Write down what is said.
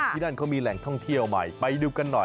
ที่นั่นเขามีแหล่งท่องเที่ยวใหม่